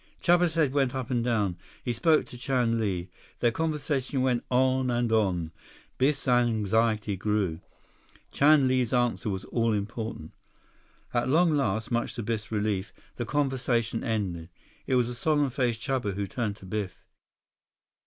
Chuba's head went up and down. He spoke to Chan Li. Their conversation went on and on. Biff's anxiety grew. Chan Li's answer was all important. At long last, much to Biff's relief, the conversation ended. It was a solemn faced Chuba who turned to Biff.